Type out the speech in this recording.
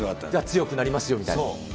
強くなりますよみたいに？